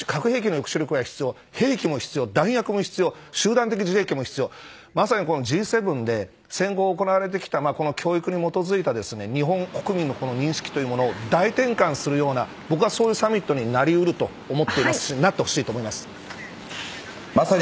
核兵器の抑止力が必要兵器も必要、弾薬も必要まさにＧ７で戦後行われてきた教育に基づいた日本国民の認識を大転換するようなそういうサミットになると思っていますしなってほしいと思っています。